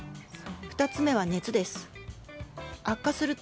２つ目は熱です。